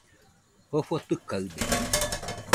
Jofo tɨkaɨde